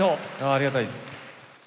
ありがたいです。